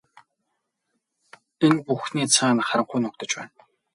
Энэ бүхний цаана харанхуй нуугдаж байна.